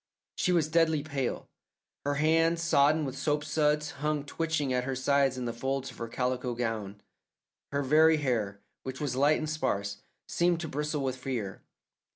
She was deadly pale. Her hands, sodden with soapsuds, hung twitching at her sides in the folds of her calico gown; her very hair, which was light and sparse, seemed to bristle with fear.